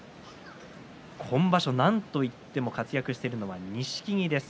今場所、なんといっても活躍しているのは錦木です。